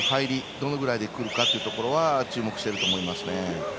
どのくらいでくるかというのは注目していると思いますね。